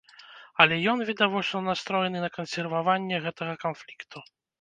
Але, ён відавочна настроены на кансерваванне гэтага канфлікту.